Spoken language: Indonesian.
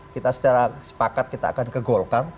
kita secara sepakat kita akan ke golkar